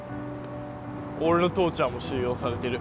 俺の父ちゃんも収容されてる。